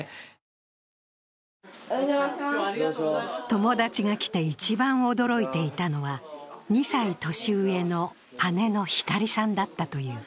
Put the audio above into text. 友達が来て一番驚いていたのは２歳年上の姉の光里さんだったという。